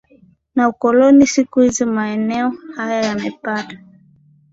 na ukoloni Siku hizi maeneo haya yamepata